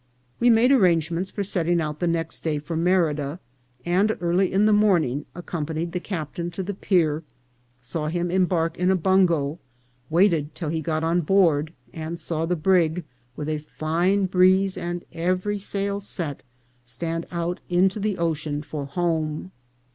We made arrangements for setting out the next day for Merida, and early in the morning accompanied the captain to the pier, saw him embark in a bungo, waited till he got on board, and saw the brig, with a fine breeze and every sail set, stand out into the ocean for home.